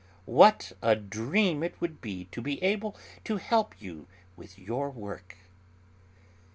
What a dream it would be to be able to help you with your work."